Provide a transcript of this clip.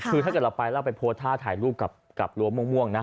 คือถ้าเกิดเราไปโพสท่าถ่ายรูปกับรวมม่วงนะ